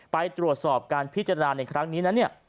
ไปตรวจสอบการพิจารณาในครั้งนี้